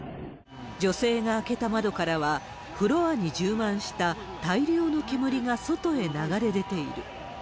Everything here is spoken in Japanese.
女性が開けた窓からは、フロアに充満した大量の煙が外へ流れ出ている。